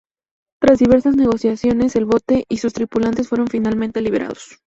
Tras diversas negociaciones el bote y sus tripulantes fueron finalmente liberados.